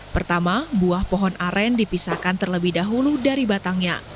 pertama buah pohon aren dipisahkan terlebih dahulu dari batangnya